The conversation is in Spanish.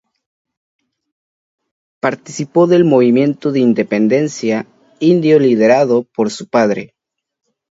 Participó del movimiento de independencia indio liderado por su padre.